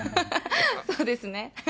そうですね。